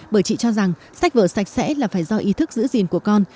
bởi chị cho rằng sách vở sạch sẽ là phải do ý thức giữ gìn của con